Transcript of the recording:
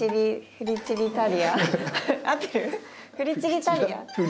フリチリタリア？